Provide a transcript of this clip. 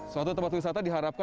suatu tempat wisata diharapkan